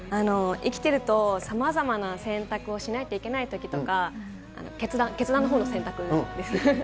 生きていると、さまざまな選択をしないといけないときとか、決断、決断のほうの選択です。